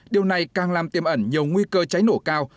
điều này càng làm tiêm ẩn nhiều nguy cơ cháy nổ cao